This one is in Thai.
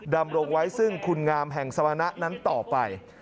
ดำรงไว้ซึ่งคุณงามแห่งสมณะนั้นต่อไป